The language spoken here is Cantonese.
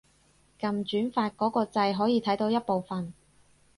撳轉發嗰個掣可以睇到一部分